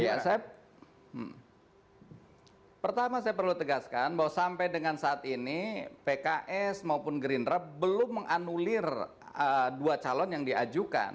ya saya pertama saya perlu tegaskan bahwa sampai dengan saat ini pks maupun gerindra belum menganulir dua calon yang diajukan